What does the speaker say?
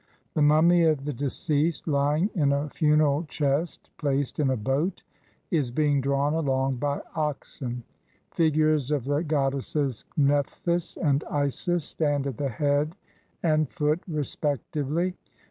The mummy of the deceased, lying in a funeral chest placed in a boat, is being drawn along by oxen : figures of the god desses Nephthys and Isis stand at the head and foot respectively.